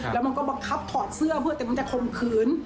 แล้วมันก็บังคับถอดเสื้อเพื่อแต่มันจะข่มขืน